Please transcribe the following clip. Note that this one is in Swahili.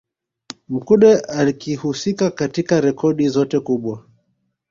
Mkude akihusika katika rekodi zote kubwa